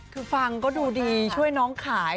คือฟังก็ดูดีช่วยน้องขาย